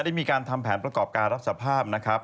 ได้มีการทำแผนประกอบการรับสภาพนะครับ